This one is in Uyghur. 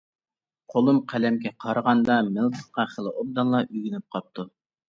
قولۇم قەلەمگە قارىغاندا مىلتىققا خېلى ئوبدانلا ئۆگىنىپ قاپتۇ.